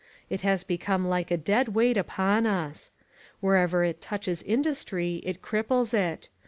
It has become like a dead weight upon us. Wherever it touches industry it cripples it.